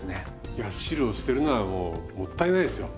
いや汁を捨てるのはもうもったいないですよ。